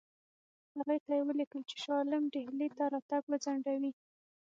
هغې ته یې ولیکل چې شاه عالم ډهلي ته راتګ وځنډوي.